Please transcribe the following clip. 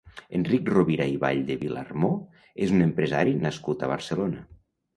Enric Rovira i Vall de Vilarmó és un empresari nascut a Barcelona.